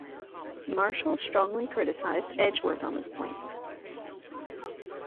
Marshall strongly criticised Edgeworth on this point.